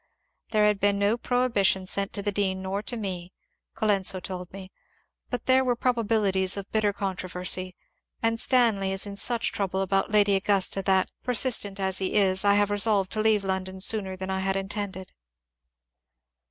*' There had been no prohibition sent to the dean nor to me," Colenso told me, " but there were probabilities of bitter con troversy, and Stanley is in such trouble about Lady Augusta that, persistent as he is, I have resolved to leave London sooner than I had intended."